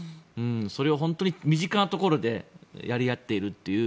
それを本当に身近なところでやり合っているという。